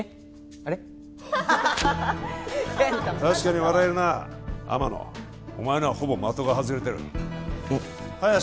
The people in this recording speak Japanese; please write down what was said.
確かに笑えるな天野お前のはほぼ的が外れてるえっ